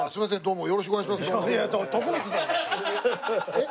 えっ？